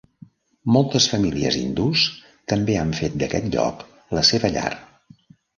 Moltes famílies hindús també han fet d'aquest lloc la seva llar.